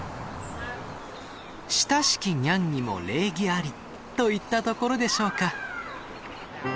「親しきニャンにも礼儀あり」といったところでしょうか。